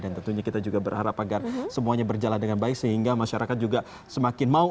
dan tentunya kita juga berharap agar semuanya berjalan dengan baik sehingga masyarakat juga semakin mau